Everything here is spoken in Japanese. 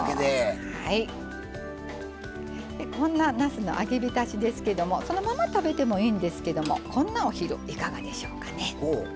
こんななすの揚げびたしですけどそのまま食べてもいいんですけどもこんなお昼、いかがでしょうかね。